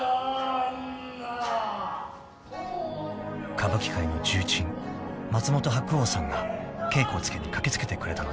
［歌舞伎界の重鎮松本白鸚さんが稽古をつけに駆け付けてくれたのです］